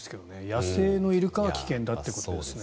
野生のイルカは危険だということですね。